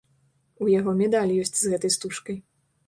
У яго медаль ёсць з гэтай стужкай.